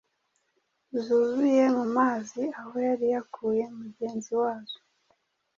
zuzuye mu mazi aho yari yakuye mugenzi wazo